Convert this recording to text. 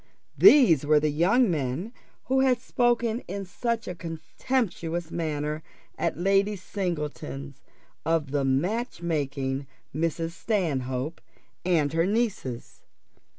These were the young men who had spoken in such a contemptuous manner at Lady Singleton's of the match making Mrs. Stanhope and her nieces.